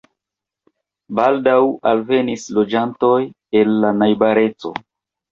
Baldaŭ alvenis loĝantoj el la najbareco.